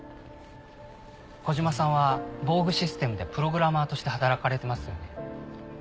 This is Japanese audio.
小島さんはボーグシステムでプログラマーとして働かれてますよね？